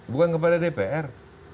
bukan kepada dpr